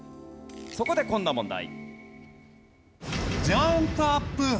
そこでこんな問題。